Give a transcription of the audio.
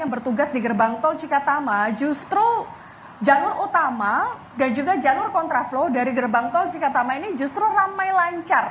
yang bertugas di gerbang tol cikatama justru jalur utama dan juga jalur kontraflow dari gerbang tol cikatama ini justru ramai lancar